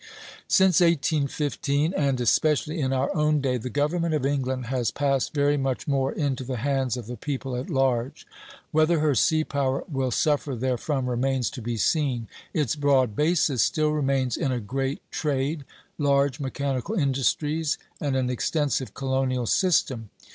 Since 1815, and especially in our own day, the government of England has passed very much more into the hands of the people at large. Whether her sea power will suffer therefrom remains to be seen. Its broad basis still remains in a great trade, large mechanical industries, and an extensive colonial system.